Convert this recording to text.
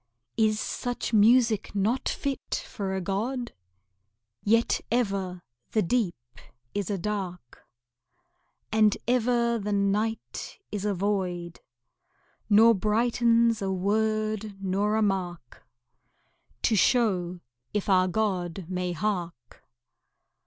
Is such music not fit for a god? Yet ever the deep is a dark, And ever the night is a void, Nor brightens a word nor a mark To show if our God may hark.